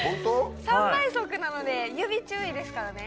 ３倍速なので指注意ですからね。